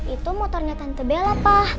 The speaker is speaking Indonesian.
itu motornya tante bela pak